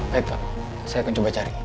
baik pak saya akan coba cari